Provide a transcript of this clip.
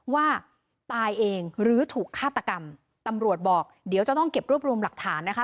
ว่าตายเองหรือถูกฆาตกรรมตำรวจบอกเดี๋ยวจะต้องเก็บรวบรวมหลักฐานนะคะ